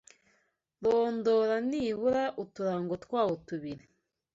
rondora nibura uturango twawo tubiri